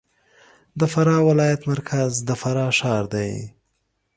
د فراه ولایت مرکز د فراه ښار دی